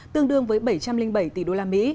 tương đương với bảy trăm linh bảy tỷ usd